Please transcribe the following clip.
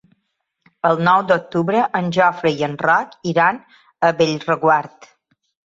El nou d'octubre en Jofre i en Roc iran a Bellreguard.